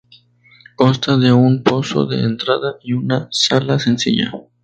Consta de un pozo de entrada y una sala sencilla.